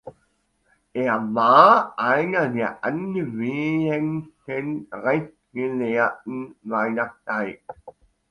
Er war einer der angesehensten Rechtsgelehrten seiner Zeit.